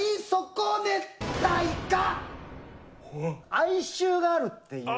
哀愁があるっていう。